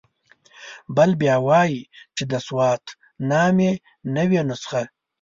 بل بیا وایي چې د سوات نامې نوې نسخه.